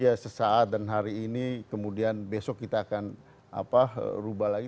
ya sesaat dan hari ini kemudian besok kita akan rubah lagi